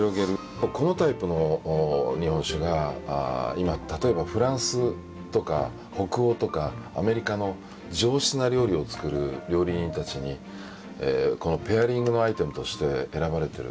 このタイプの日本酒が今例えばフランスとか北欧とかアメリカの上質な料理を作る料理人たちにペアリングのアイテムとして選ばれてる。